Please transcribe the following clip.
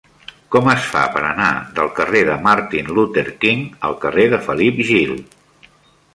Com es fa per anar del carrer de Martin Luther King al carrer de Felip Gil?